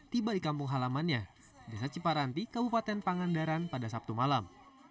tiba di kampung halamannya desa ciparanti kabupaten pangandaran pada sabtu malam